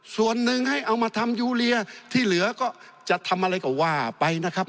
ส่วนหนึ่งให้เอามาทำยูเรียที่เหลือก็จะทำอะไรก็ว่าไปนะครับ